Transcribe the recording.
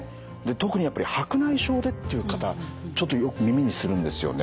特にやっぱり白内障でっていう方ちょっとよく耳にするんですよね。